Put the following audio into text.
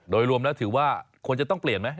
โดยรวมแล้วถือว่าควรจะต้องเปลี่ยนไหม